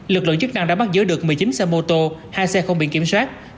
lực lượng chức năng đã bắt giữ được một mươi chín xe mô tô hai xe không biển kiểm soát